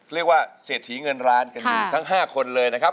เรียกว่าเศรษฐีเงินล้านกันทั้ง๕คนเลยนะครับ